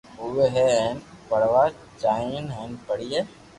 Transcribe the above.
آوي ھي ھين پڙوا جائين ھين پڙئي